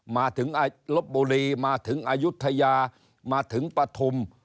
มาถึงลบบุรีมาถึงอายุทยามาถึงปฐุม